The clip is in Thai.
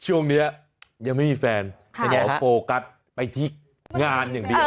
ช่วงนี้ยังไม่มีแฟนแต่ขอโฟกัสไปที่งานอย่างเดียว